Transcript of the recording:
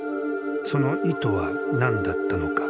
その意図は何だったのか。